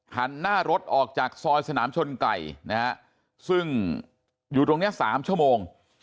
หันหน้ารถออกจากซอยสนามชนไก่นะฮะซึ่งอยู่ตรงนี้๓ชั่วโมง